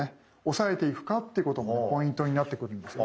抑えていくかっていうこともポイントになってくるんですね。